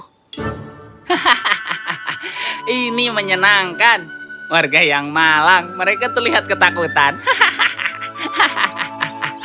hahaha ini menyenangkan warga yang malang mereka terlihat ketakutan hahaha